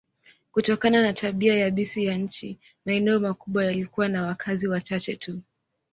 Kutokana na tabia yabisi ya nchi, maeneo makubwa yalikuwa na wakazi wachache tu.